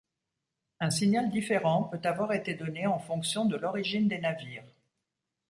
Un signal différent peut avoir été donné en fonction de l'origine des navires.